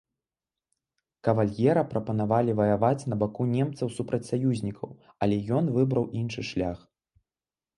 Кавальера прапанавалі ваяваць на баку немцаў супраць саюзнікаў, але ён выбраў іншы шлях.